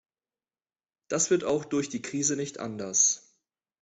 Das wird auch durch die Krise nicht anders.